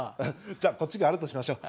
じゃあこっちがあるとしましょう。